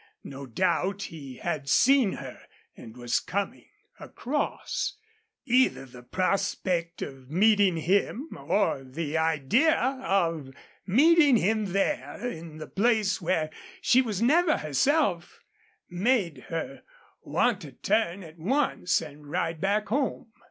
No doubt he had seen her and was coming across. Either the prospect of meeting him or the idea of meeting him there in the place where she was never herself made her want to turn at once and ride back home.